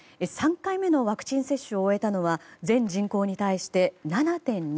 ３回目のワクチン接種を終えたのは全人口に対して７．２％。